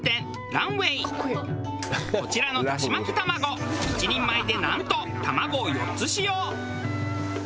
こちらのだし巻き玉子１人前でなんと卵を４つ使用。